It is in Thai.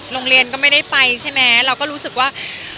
โรงเรียนก็ไม่ได้ไปใช่ไหมเราก็รู้สึกว่า